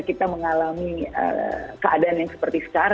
kita mengalami keadaan yang seperti sekarang